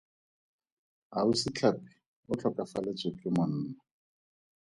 Ausi Tlhapi o tlhokofaletswe ke monna.